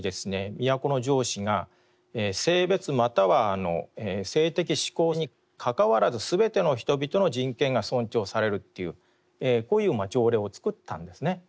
都城市が「性別又は性的指向にかかわらずすべての人々の人権が尊重される」というこういう条例を作ったんですね。